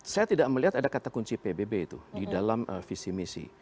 saya tidak melihat ada kata kunci pbb itu di dalam visi misi